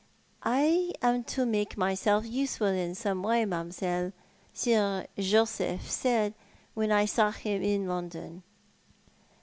"I am to make myself useful in some way, mam'selle, Sir Joseph said, when I saw him in London."